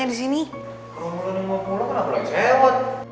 romulo dengan wapulo kan abu abu yang cewek